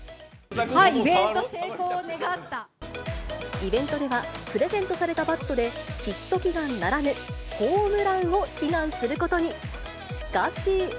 イベントではプレゼントされたバットで、ヒット祈願ならぬ、ホームランを祈願することに。